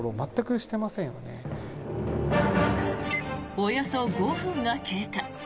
およそ５分が経過。